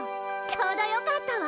ちょうどよかったわ。